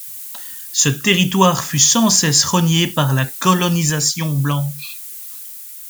Ce territoire fut sans cesse rogné par la colonisation blanche.